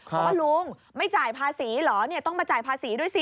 บอกว่าลุงไม่จ่ายภาษีเหรอต้องมาจ่ายภาษีด้วยสิ